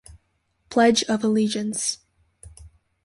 Pledge of Allegiance.